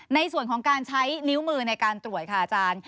ในส่วนของการใช้นิ้วมือในการตรวจค่ะอาจารย์